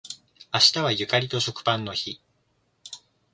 明日はゆかりと食パンの日